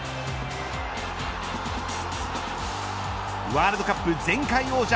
ワールドカップ前回王者